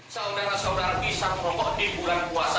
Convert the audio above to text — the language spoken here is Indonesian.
saudara saudara bisa merokok di bulan puasa